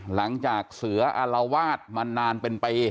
หลังจากเสืออารวาสมานานเป็นปี